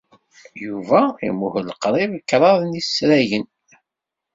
Yuba imuhel qrib kraḍ n yisragen.